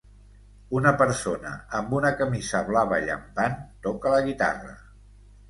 Una persona amb una camisa blava llampant toca la guitarra.